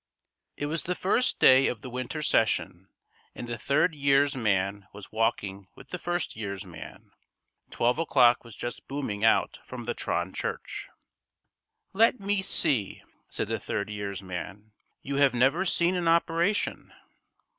It was the first day of the winter session, and the third year's man was walking with the first year's man. Twelve o'clock was just booming out from the Tron Church. "Let me see," said the third year's man. "You have never seen an operation?"